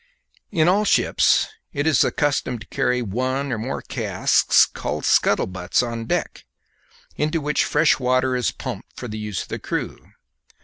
In all ships it is the custom to carry one or more casks called scuttlebutts on deck, into which fresh water is pumped for the use of the crew.